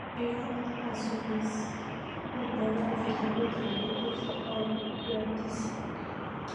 Isabel era a su vez hermana de Felipe de Lippe-Alverdissen.